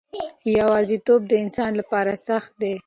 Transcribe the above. یوازیتوب د انسان لپاره سخت دی.